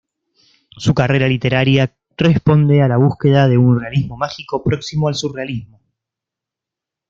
Su carrera literaria responde a la búsqueda de un realismo mágico próximo al surrealismo.